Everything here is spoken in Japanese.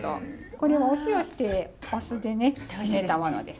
これはお塩してお酢でしめたものです。